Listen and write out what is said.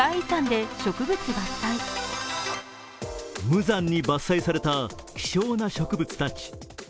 無残に伐採された希少な植物たち。